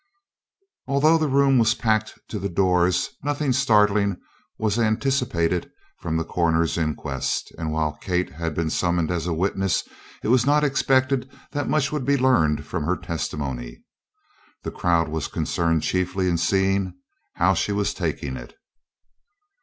Although the room was packed to the doors, nothing startling was anticipated from the coroner's inquest; and while Kate had been summoned as a witness it was not expected that much would be learned from her testimony. The crowd was concerned chiefly in seeing "how she was taking it."